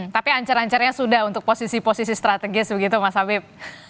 tapi ancar ancarnya sudah untuk posisi posisi strategis begitu mas habib